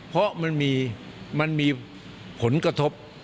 เพราะมันมีผลกระทบ